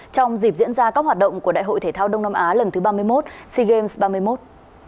trong dịp diễn ra các hoạt động của đại hội thể thao đông nam á lần thứ ba mươi một sea games ba mươi một